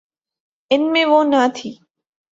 ان میں وہ نہ تھی۔